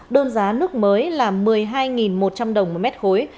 đơn giá nước mới là một mươi hai một trăm linh đồng một mét khối